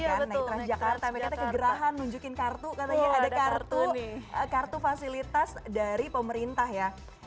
kan naik transjakarta mereka kegerahan nunjukin kartu katanya ada kartu fasilitas dari pemerintah ya